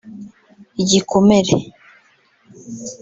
Igikomere